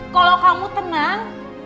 kalau kamu tenang